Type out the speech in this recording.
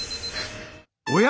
おや？